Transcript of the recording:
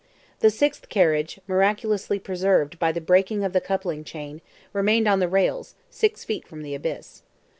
The sixth carriage, miraculously preserved by the breaking of the coupling chain, remained on the rails, six feet from the abyss.